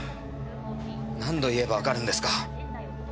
何度言えばわかるんですか。